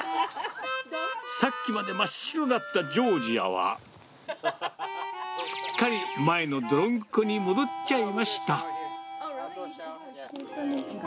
さっきまで真っ白だったジョージアは、すっかり前の泥んこに戻っちゃいました。